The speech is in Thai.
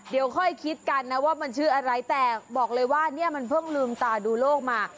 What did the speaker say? เดี๋ยวค่อยคิดกันนะว่ามันชื่ออะไรแต่บอกเลยว่าเนี่ยมันเพิ่งลืมตาดูโลกมา